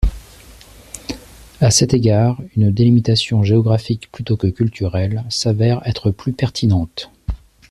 À cet égard, une délimitation géographique plutôt que culturelle s'avère être plus pertinente.